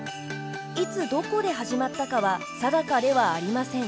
いつどこで始まったかは定かではありません。